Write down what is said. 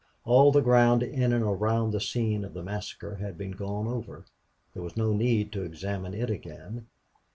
All the ground in and around the scene of the massacre had been gone over; there was no need to examine it again.